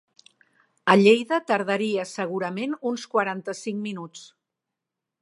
A Lleida tardaria segurament uns quaranta-cinc minuts.